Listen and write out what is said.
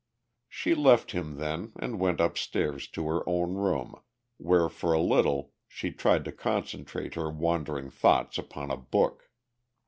She left him then and went upstairs to her own room where for a little she tried to concentrate her wandering thoughts upon a book.